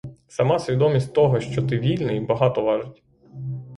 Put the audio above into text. Сама свідомість того, що ти вільний, багато важить.